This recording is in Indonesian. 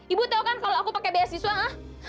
ibu tahu kan kalau aku pakai beasiswa ah